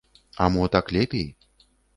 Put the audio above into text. А мо так лепей?